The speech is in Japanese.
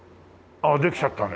できちゃったね！